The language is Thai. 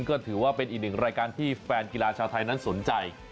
ก็ถือว่าเป็นอีกหนึ่งรายการที่แฟนกีฬาชาวไทยนั้นสนใจ